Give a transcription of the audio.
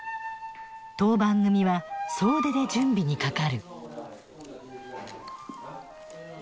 当番組は総出で準備にかかる。